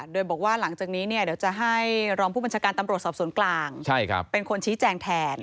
โดยบอกว่าหลังจากนี้เดี๋ยวจะให้รองผู้บัญชาการตำรวจสอบสวนกลางเป็นคนชี้แจงแทน